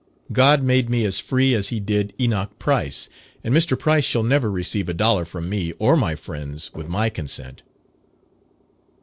God made me as free as he did Enoch Price, and Mr. Price shall never receive a dollar from me or my friends with my consent."